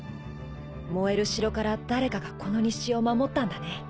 燃える城から誰かがこの日誌を守ったんだね。